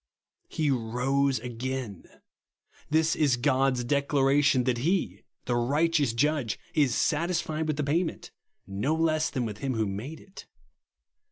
He rose again. This is God's declaration that he, the righteous Judge, is satisfied with the pay ment, no less than with him who made it.